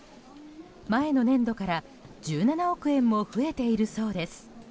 前の年度から１７億円も増えているそうです。